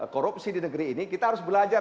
korupsi di negeri ini kita harus belajar